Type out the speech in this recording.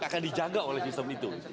akan dijaga oleh sistem itu